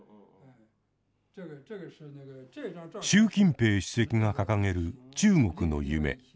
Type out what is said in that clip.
習近平主席が掲げる「中国の夢」。